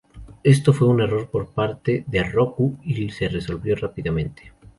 Esto fue un error por parte de Roku y se resolvió rápidamente.